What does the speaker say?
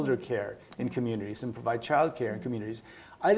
sekarang indonesia harus melihat